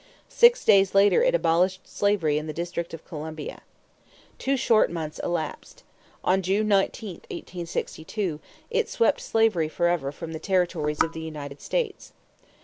Six days later it abolished slavery in the District of Columbia. Two short months elapsed. On June 19, 1862, it swept slavery forever from the territories of the United States.